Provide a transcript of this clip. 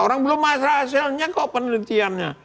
orang belum asal asalnya kok penelitiannya